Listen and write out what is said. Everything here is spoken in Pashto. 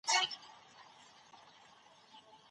ایا ستا په کور کې کتابونه سته؟